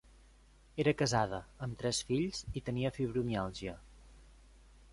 Era casada, amb tres fills, i tenia fibromiàlgia.